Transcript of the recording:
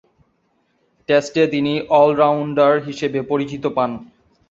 টেস্টে তিনি অল-রাউন্ডার হিসেবে পরিচিতি পান।